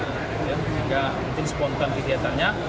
mungkin spontan kegiatannya